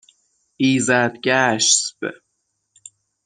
ایزدگشسب